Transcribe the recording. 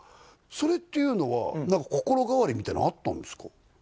それっていうのは何か心変わりみたいなのあったんですか？